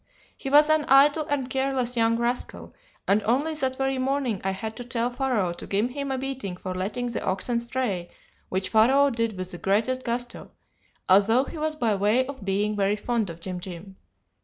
He was an idle and careless young rascal, and only that very morning I had to tell Pharaoh to give him a beating for letting the oxen stray, which Pharaoh did with the greatest gusto, although he was by way of being very fond of Jim Jim.